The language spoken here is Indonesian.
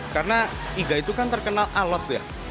karena iga itu kan terkenal alot ya